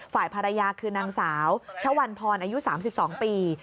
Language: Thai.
ฝ่ายภรรยาคือนางสาวชะวันพรอายุ๓๒ปี